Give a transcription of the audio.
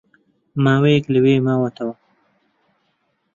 ماوەیەک لەوێ ماوەتەوە